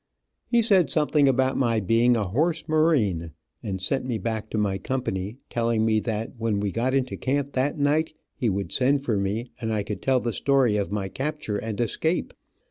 He said something about my being a Horse Marine, and sent me back to my company, telling me that when we got into camp that night he would send for me and I could tell the story of my capture and escape.